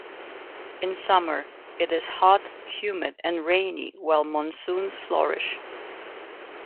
In summer, it is hot, humid and rainy, while monsoons flourish.